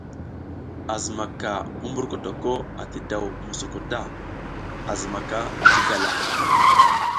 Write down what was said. A zimaka mumburkotok ati daw mosoko ta, a zimaka ti galaŋ.